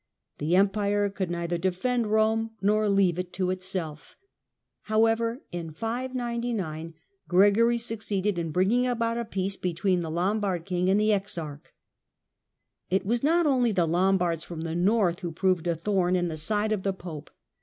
The Empire could neither defend Rome nor leave it to itself. However, in 599 Gregory succeeded in bringing about a peace be tween the Lombard king and the exarch. It was not only the Lombards from the north who proved a thorn in the side of the Pope.